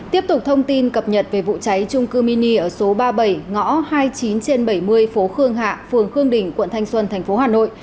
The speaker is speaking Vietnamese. tiếp tục thông tin cập nhật về vụ cháy trung cư mini ở số ba mươi bảy ngõ hai mươi chín trên bảy mươi phố khương hạ phường khương đình quận thanh xuân thành phố hà nội